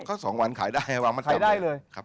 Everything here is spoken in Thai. ก็๒วันขายได้วางมัดจำเลย